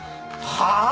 はあ！？